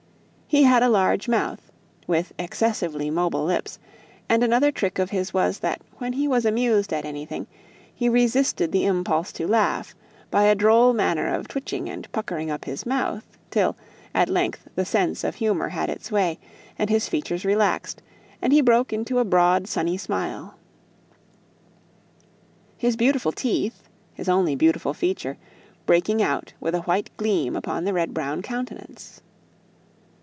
He had a large mouth, with excessively mobile lips; and another trick of his was, that when he was amused at anything, he resisted the impulse to laugh, by a droll manner of twitching and puckering up his mouth, till at length the sense of humour had its way, and his features relaxed, and he broke into a broad sunny smile; his beautiful teeth his only beautiful feature breaking out with a white gleam upon the red brown countenance.